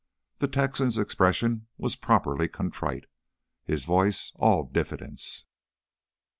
The Texan's expression was properly contrite; his voice all diffidence.